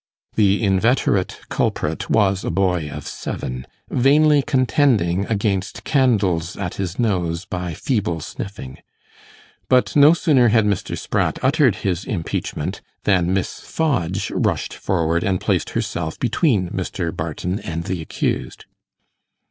The inveterate culprit was a boy of seven, vainly contending against 'candles' at his nose by feeble sniffing. But no sooner had Mr. Spratt uttered his impeachment, than Miss Fodge rushed forward and placed herself between Mr. Barton and the accused.